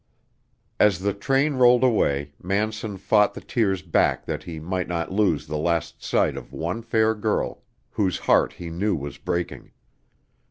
As the train rolled away, Manson fought the tears back that he might not lose the last sight of one fair girl whose heart he knew was breaking.